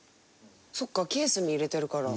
そっかケースに入れてるから。